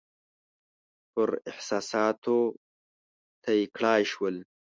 پر احساساتو طی کړای شول.